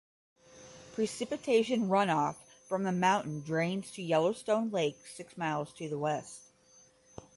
Precipitation runoff from the mountain drains to Yellowstone Lake six miles to the west.